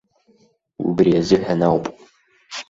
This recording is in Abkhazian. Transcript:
Убри азыҳәан ауп.